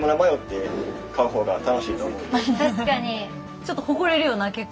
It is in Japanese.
ちょっと誇れるよな結構。